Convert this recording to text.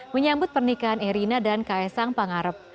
menyambut pernikahan erina dan kaesang pangarep